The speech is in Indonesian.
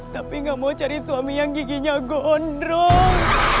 tapi gak mau cari suami yang giginya gondrol